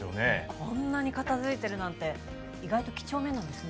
こんなに片付いてるなんて意外と几帳面なんですね